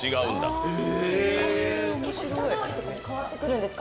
結構舌触りとかとも変わってくるんですか？